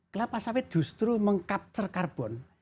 kelapa sawit justru mengcapture karbon